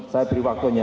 saya beri waktunya